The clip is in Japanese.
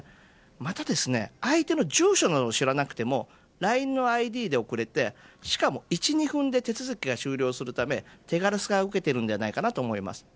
また相手の住所などを知らなくてもＬＩＮＥのＩＤで送れてしかも１、２分で手続きが終了するため、手軽さが受けているのではないかと思います。